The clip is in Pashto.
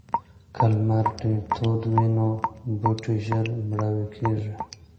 که لمر ډیر تود وي نو بوټي ژر مړاوي کیږي.